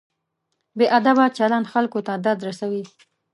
بې ادبه چلند خلکو ته درد رسوي.